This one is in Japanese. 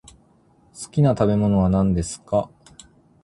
好きな食べ物は何ですか。